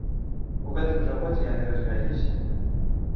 У гэтым жа годзе яны развяліся.